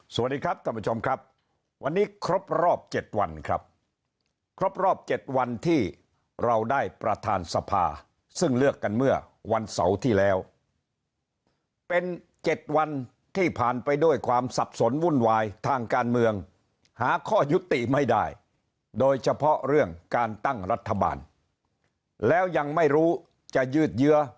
สวัสดีครับท่านผู้ชมครับวันนี้ครบรอบ๗วันครับครบรอบ๗วันที่เราได้ประธานสภาซึ่งเลือกกันเมื่อวันเสาร์ที่แล้วเป็น๗วันที่ผ่านไปด้วยความสับสนวุ่นวายทางการเมืองหาข้อยุติไม่ได้โดยเฉพาะเรื่องการตั้งรัฐบาลแล้วยังไม่รู้จะยืดเยื้อ